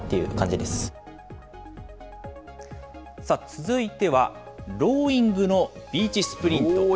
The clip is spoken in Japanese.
さあ、続いては、ローイングのビーチスプリントです。